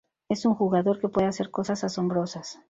Es un jugador que puede hacer cosas asombrosas".